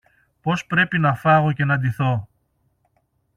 πως πρέπει και να φάγω και να ντυθώ!